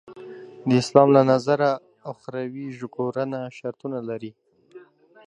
د اسلام له نظره اخروي ژغورنه شرطونه لري.